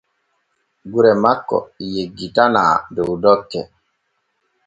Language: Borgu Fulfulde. Gure makko yeggitanaa dow dokke.